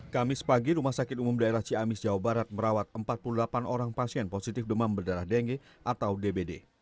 kamis pagi rumah sakit umum daerah ciamis jawa barat merawat empat puluh delapan orang pasien positif demam berdarah denge atau dbd